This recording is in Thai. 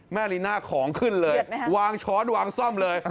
แม่ลีน่าของขึ้นเลยเหยียดไหมครับวางช้อนวางซ่อมเลย